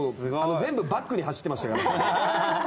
全部バックに走ってましたから。